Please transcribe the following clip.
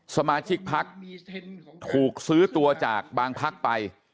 สมาชิกพักถูกซื้อตัวจากบางพักไป